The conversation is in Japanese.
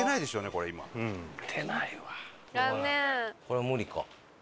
これ無理か。